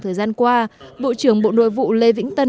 thời gian qua bộ trưởng bộ nội vụ lê vĩnh tân